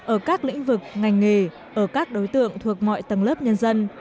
ở các lĩnh vực ngành nghề ở các đối tượng thuộc mọi tầng lớp nhân dân